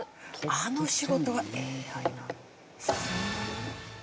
あの仕事はＡＩ。